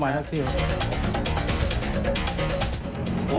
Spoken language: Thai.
ไม่เคยมาก่อน